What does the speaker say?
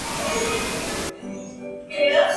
No se aprobaron leyes contra el lesbianismo.